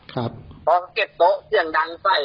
เขาก็เก็บโต๊ะเสียงดังใส่